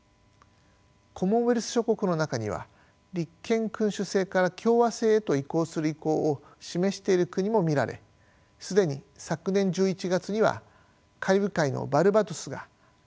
コモンウェルス諸国の中には立憲君主制から共和制へと移行する意向を示している国も見られ既に昨年１１月にはカリブ海のバルバドスが共和制に移行しました。